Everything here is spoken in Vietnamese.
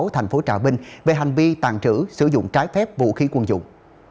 thành phố trà vinh về hành vi tàn trữ sử dụng trái phép vũ khí quân dụng